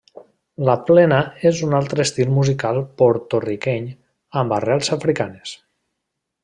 La Plena és un altre estil musical porto-riqueny amb arrels africanes.